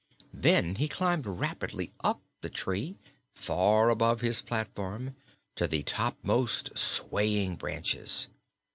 Then he climbed rapidly up the tree, far above his platform, to the topmost swaying branches.